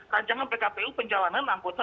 rancangan pkpu penjahonan angkota